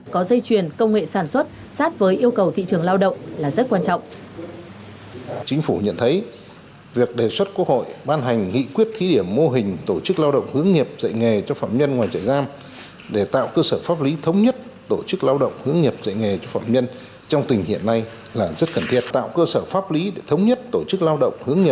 có dây chuyền công nghệ sản xuất sát với yêu cầu thị trường lao động là rất quan trọng